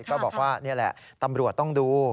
ก็บอกว่านี่แหละตำรวจต้องดู